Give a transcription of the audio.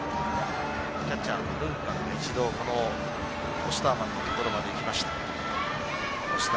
キャッチャーヌーブマンがオスターマンのところまで行きました。